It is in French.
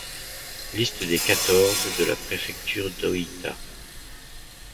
Liste des quatorze de la préfecture d'Ōita.